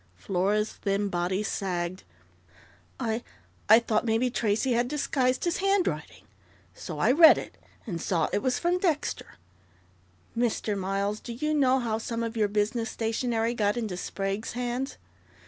Flora's thin body sagged. "I I thought maybe Tracey had disguised his Handwriting.... So I read it, and saw it was from Dexter " "Mr. Miles, do you know how some of your business stationery got into Sprague's hands?"